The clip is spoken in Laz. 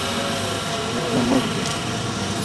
Neǩna mozdi!